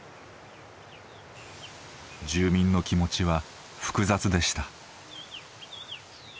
住民の気持ちは複雑でした。